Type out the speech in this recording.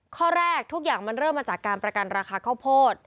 ข้อแรกทุกอย่างมันเริ่มมาจากการประกันราคาข้าวโพด